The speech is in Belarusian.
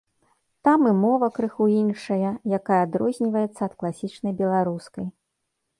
Там і мова крыху іншая, якая адрозніваецца ад класічнай беларускай.